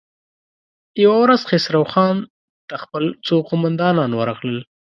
يوه ورځ خسرو خان ته خپل څو قوماندان ورغلل.